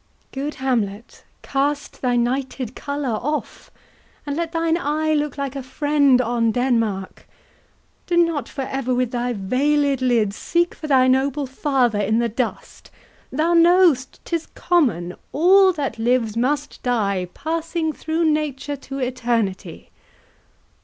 Good Hamlet, cast thy nighted colour off, And let thine eye look like a friend on Denmark. Do not for ever with thy vailed lids Seek for thy noble father in the dust. Thou know'st 'tis common, all that lives must die, Passing through nature to eternity.